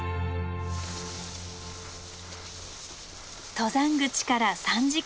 登山口から３時間。